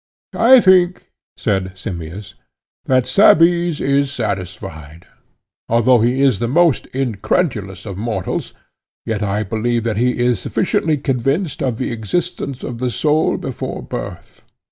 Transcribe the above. I think, said Simmias, that Cebes is satisfied: although he is the most incredulous of mortals, yet I believe that he is sufficiently convinced of the existence of the soul before birth.